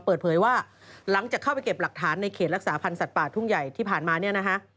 เปิดเผยว่าหลังจากเข้าไปเก็บหลักฐานในเขตรักษาพันธ์สัตว์ป่าทุ่งใหญ่ที่ผ่านมาเนี่ยนะฮะ